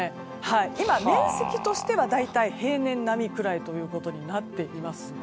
今、面積としては大体平年並みくらいとなっています。